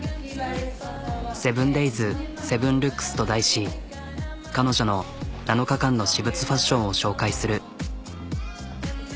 「７Ｄａｙｓ、７Ｌｏｏｋｓ」と題し彼女の７日間の私物ファッションを紹介する。